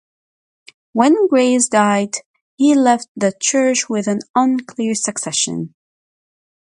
When Grace died he left the church with an unclear succession.